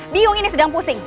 biong ini sedang pusing